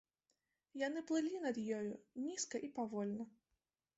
Яны плылі над ёю, нізка і павольна.